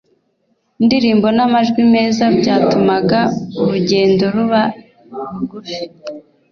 Indirimbo n'amajwi meza byatumaga urugendo ruba ntgufi,